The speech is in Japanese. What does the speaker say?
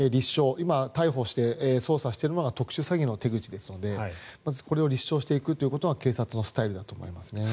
今、逮捕して捜査しているのが特殊詐欺の手口ですのでまずこれを立証していくということが警察のスタイルだと思います。